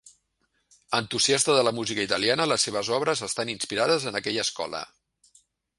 Entusiasta de la música italiana, les seves obres estan inspirades en aquella escola.